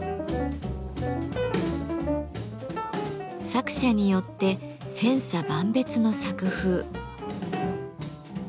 作者によって千差万別の作風。